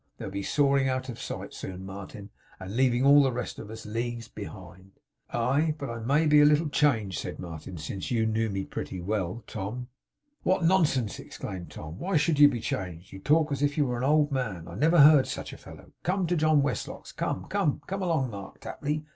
They'll be soaring out of sight soon, Martin, and leaving all the rest of us leagues behind.' 'Aye! But I may be a little changed,' said Martin, 'since you knew me pretty well, Tom.' 'What nonsense!' exclaimed Tom. 'Why should you be changed? You talk as if you were an old man. I never heard such a fellow! Come to John Westlock's, come. Come along, Mark Tapley.